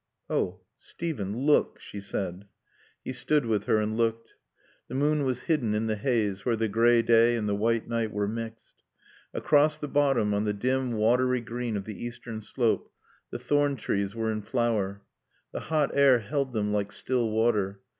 "Oh Steven look," she said. He stood with her and looked. The moon was hidden in the haze where the gray day and the white night were mixed. Across the bottom on the dim, watery green of the eastern slope, the thorn trees were in flower. The hot air held them like still water.